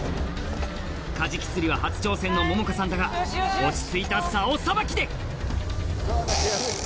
カジキ釣りは初挑戦の百々絵さんだが落ち着いた竿さばきで！